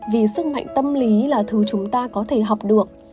vì sức mạnh tâm lý là thứ chúng ta có thể học được